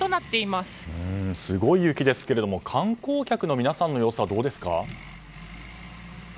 すごい雪ですけども観光客の皆さんの様子はどうですか？